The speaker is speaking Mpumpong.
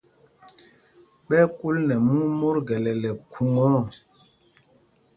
Ɓɛ́ ɛ́ kúl nɛ mûŋ mot gɛlɛlɛ khuŋa ɔ.